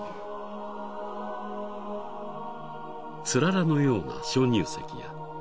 ［つららのような鍾乳石や］